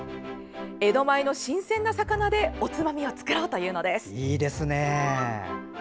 江戸前の新鮮な魚でおつまみを作ろうというのです。